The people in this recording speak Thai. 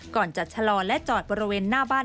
ก่อนจะชะลอและจอดบริเวณหน้าบ้าน